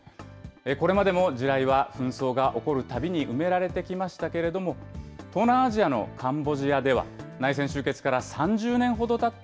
これまでも地雷は紛争が起こるたびに埋められてきましたけれども、東南アジアのカンボジアでは、内戦終結から３０年ほどたった